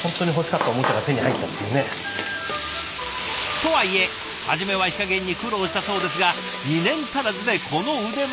とはいえ初めは火加減に苦労したそうですが２年足らずでこの腕前。